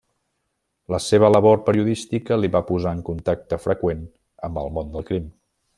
La seva labor periodística li va posar en contacte freqüent amb el món del crim.